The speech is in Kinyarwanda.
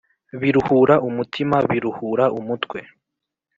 biruhura umutima biruhura umutwe